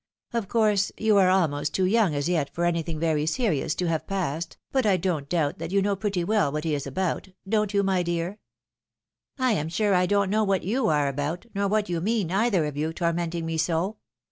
Of course, you are almost too young as yet for anything very serious to have passed, but I don't doubt that you know pretty well what he is about— don't you, my dear ?"" I am sure I don't know what you are about, nor what you mean, either of you, tormenting me so.